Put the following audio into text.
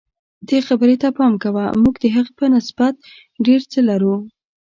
دې خبرې ته پام کوه موږ د هغې په نسبت ډېر څه لرو.